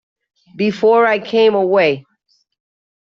Before I came away.